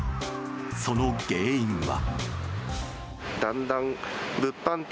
その原因は。